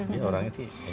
dia orangnya sih